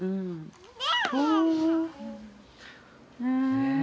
うん。